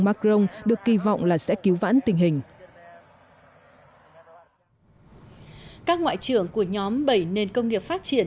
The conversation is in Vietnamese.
macron được kỳ vọng là sẽ cứu vãn tình hình các ngoại trưởng của nhóm bảy nền công nghiệp phát triển